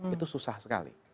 itu susah sekali